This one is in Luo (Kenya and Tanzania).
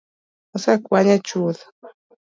Osekwanye chuth